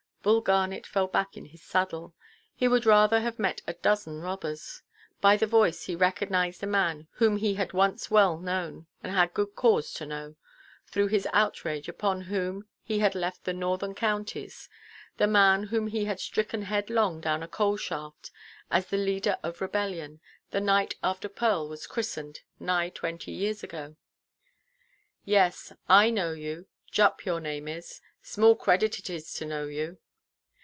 Bull Garnet fell back in his saddle. He would rather have met a dozen robbers. By the voice he recognised a man whom he had once well known, and had good cause to know;—through his outrage upon whom, he had left the northern counties; the man whom he had stricken headlong down a coal–shaft, as the leader of rebellion, the night after Pearl was christened, nigh twenty years ago. "Yes, I know you; Jupp your name is. Small credit it is to know you."